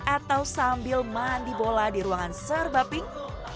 atau sambil mandi bola di ruangan serba pink